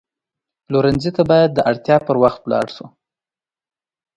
پلورنځي ته باید د اړتیا پر وخت لاړ شو.